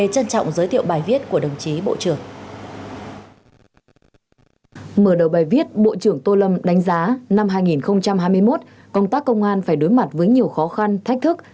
mở đầu bài viết bộ trưởng tô lâm đánh giá năm hai nghìn hai mươi một công tác công an phải đối mặt với nhiều khó khăn thách thức